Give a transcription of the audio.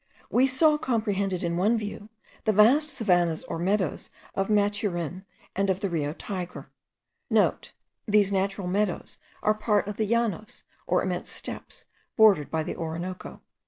We saw comprehended in one view the vast savannahs or meadows of Maturin and of the Rio Tigre;* (* These natural meadows are part of the llanos or immense steppes bordered by the Orinoco.)